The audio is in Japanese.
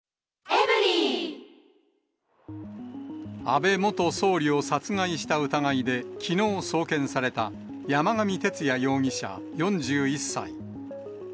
安倍元総理を殺害した疑いできのう送検された山上徹也容疑者４１歳。